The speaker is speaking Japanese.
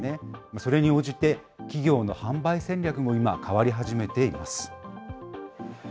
それに応じて、企業の販売戦略も今、変わり始めています。